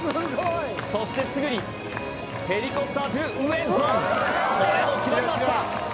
そしてすぐにヘリコプターｔｏウェンソンこれも決まりました